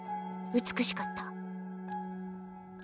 美しかった。